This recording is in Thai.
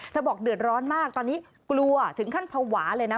บอกเดือดร้อนมากตอนนี้กลัวถึงขั้นภาวะเลยนะ